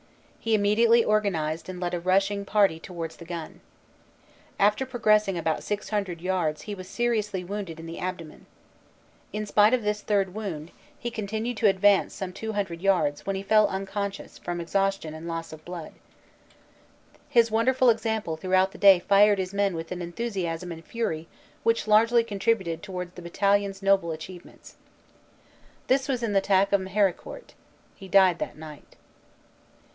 He immediately organized and led a rushing party towards the gun. After progressing about 600 yards he was seriously wounded in the abdomen. In spite of this third wound, he continued to advance some 200 yards when he fell uncon scious from exhaustion and loss of blood. His wonderful example throughout the day fired his men with an enthusiasm and fury which largely contributed towards the battalion s noble achievements." This was in the attack on Meharicourt. He died that night.